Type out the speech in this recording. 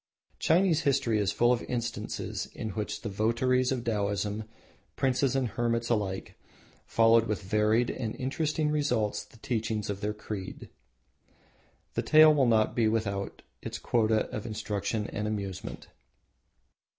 Chinese history is full of instances in which the votaries of Taoism, princes and hermits alike, followed with varied and interesting results the teachings of their creed. The tale will not be without its quota of instruction and amusement.